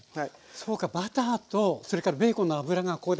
そうかバターとそれからベーコンの脂がここで合体。